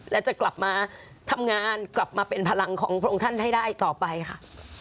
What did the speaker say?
และจะกลับมาทำงานกลับมาเป็นพลังของพระองค์ท่านให้ได้ต่อไปค่ะ